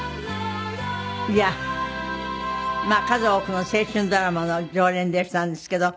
数多くの青春ドラマの常連でいらしたんですけど。